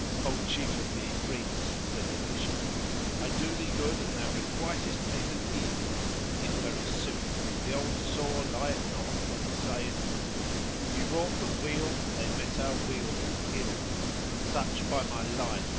"O Chief of the Ifrits," said the Fisherman, "I do thee good and thou requitest me with evil! in very sooth the old saw lieth not when it saith:— We wrought them weal, they met our weal with ill; * Such, by my life!